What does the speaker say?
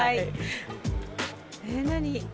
え何？